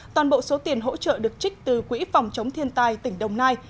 toàn bộ số tiền hỗ trợ được trích từ quỹ phòng chống thiên tai tỉnh đồng nai